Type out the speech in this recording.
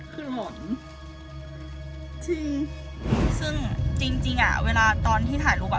คือหล่อนจริงซึ่งจริงจริงอ่ะเวลาตอนที่ถ่ายลูกอ่ะ